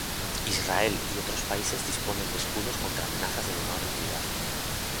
Israel y otros países disponen de escudos contra amenazas de menor entidad.